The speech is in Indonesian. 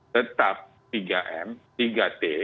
tetap tiga m tiga t